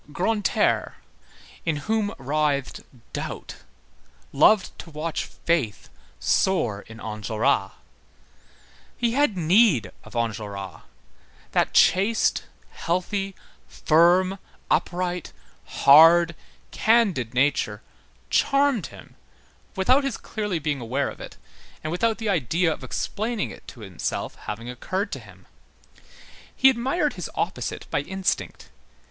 Grantaire, in whom writhed doubt, loved to watch faith soar in Enjolras. He had need of Enjolras. That chaste, healthy, firm, upright, hard, candid nature charmed him, without his being clearly aware of it, and without the idea of explaining it to himself having occurred to him. He admired his opposite by instinct.